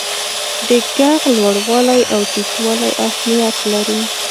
د ږغ لوړوالی او ټیټوالی اهمیت لري.